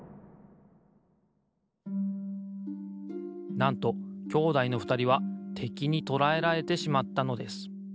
なんと兄弟のふたりはてきにとらえられてしまったのです。